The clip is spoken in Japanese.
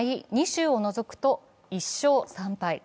２州を除くと１勝３敗。